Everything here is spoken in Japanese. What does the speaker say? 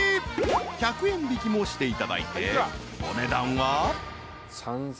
［１００円引きもしていただいてお値段は］ああ。